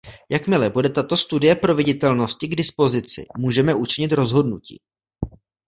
Jakmile bude tato studie proveditelnosti k dispozici, můžeme učinit rozhodnutí.